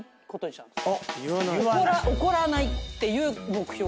怒らないっていう目標を決めて。